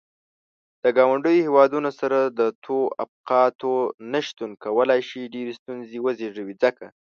د ګاونډيو هيوادونو سره د تووافقاتو نه شتون کولاي شي ډيرې ستونزې وزيږوي ځکه.